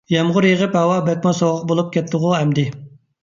يامغۇر يېغىپ ھاۋا بەكمۇ سوغۇق بولۇپ كەتتىغۇ ئەمدى.